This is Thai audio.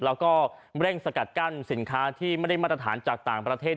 แล้วก็เร่งสกัดกั้นสินค้าที่ไม่ได้มาตรฐานจากต่างประเทศ